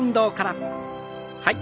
はい。